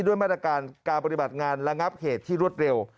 ด้วยมาตรการการปฏิบัติงานระงับเหตุที่รวดเร็ว